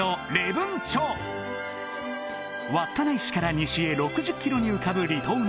稚内市から西へ６０ｋｍに浮かぶ離島の町